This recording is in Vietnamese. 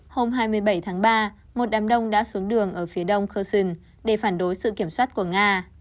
hôm hai mươi bảy tháng ba một đám đông đã xuống đường ở phía đông curtson để phản đối sự kiểm soát của nga